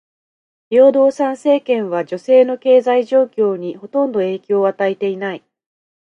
平等参政権は女性の経済状況にほとんど影響を与えていない。